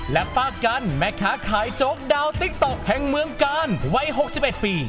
และป้ากันแม่ค้าขายโจ๊กดาวติ๊กต๊อกแห่งเมืองกาลวัย๖๑ปี